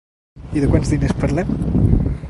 I de quants diners parlem?